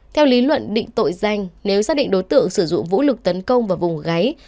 theo lý luận định tội danh nếu xác định đối tượng sử dụng vũ lực tấn công vào vùng gáy